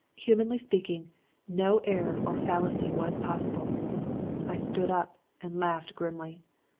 Humanly speaking, no error or fallacy was possible. "I stood up and laughed grimly.